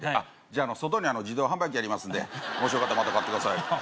あの外に自動販売機ありますんでもしよかったらまた買ってください